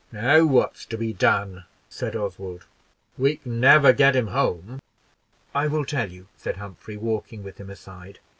"Now, what's to be done?" said Oswald; "we can never get him home." "I will tell you," said Humphrey, walking with him aside.